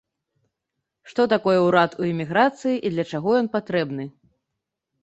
Што такое ўрад у эміграцыі і для чаго ён патрэбны?